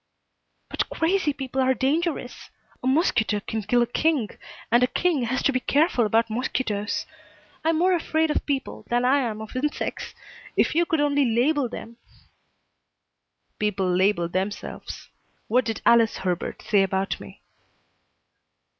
"But crazy people are dangerous. A mosquito can kill a king, and a king has to be careful about mosquitoes. I'm more afraid of people than I am of insects. If you could only label them " "People label themselves. What did Alice Herbert say about me?"